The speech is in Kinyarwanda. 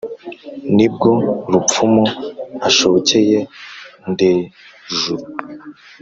nibwo rupfumu ashokeye ndejuru,